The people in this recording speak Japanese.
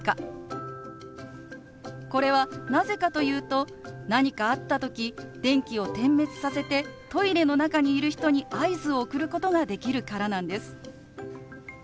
これはなぜかというと何かあった時電気を点滅させてトイレの中にいる人に合図を送ることができるからなんです。